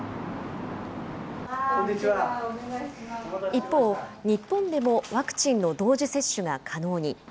一方、日本でもワクチンの同時接種が可能に。